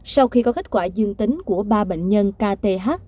sau khi có kết quả dương tính của ba bệnh nhân k t h